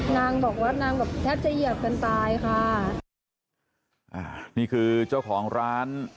นางบอกว่านางแบบแทบจะเหยียบกันตายค่ะอ่านี่คือเจ้าของร้าน